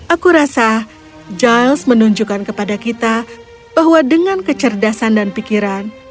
aku rasa giles menunjukkan kepada kita bahwa dengan kecerdasan dan pikiran